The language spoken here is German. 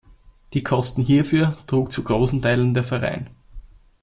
Die Kosten hierfür trug zu großen Teilen der Verein.